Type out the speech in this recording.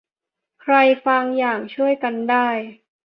ใครฟังอย่างช่วยกันได้